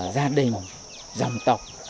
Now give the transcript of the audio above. gia đình dòng tộc